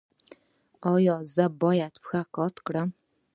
ایا زه باید پښې قات کړم؟